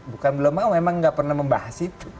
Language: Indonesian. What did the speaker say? bukan belum mau memang nggak pernah membahas itu